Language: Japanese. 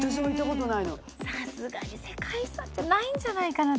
さすがに世界遺産じゃないんじゃないかな？